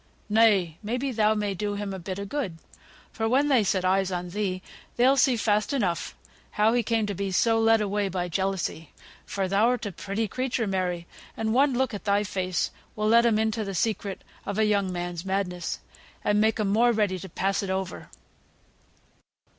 Nay! may be thou may do him a bit o' good, for when they set eyes on thee, they'll see fast enough how he came to be so led away by jealousy; for thou'rt a pretty creature, Mary, and one look at thy face will let 'em into th' secret of a young man's madness, and make 'em more ready to pass it over."